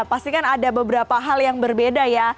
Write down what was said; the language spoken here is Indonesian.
pastikan ada beberapa hal yang berbeda ya